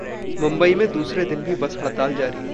मुंबई में दूसरे दिन भी बस हड़ताल जारी